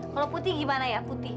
kalau putih gimana ya putih